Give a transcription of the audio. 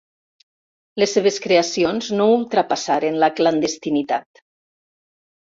Les seves creacions no ultrapassaren la clandestinitat.